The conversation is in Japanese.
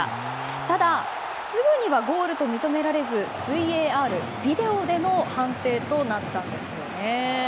ただ、すぐにはゴールと認められずＶＡＲ、ビデオでの判定となったんですよね。